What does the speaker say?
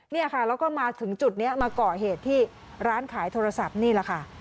เนี่ยค่ะแล้วก็มาถึงจุดนี้มาก่อเหตุที่ร้านขายโทรศัพท์นี่แหละค่ะ